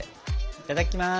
いただきます！